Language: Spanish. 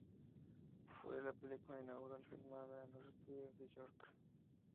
Fue la película inaugural filmada en los estudios de York.